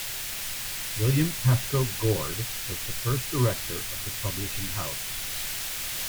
William Pascoe Goard was the first director of the publishing house.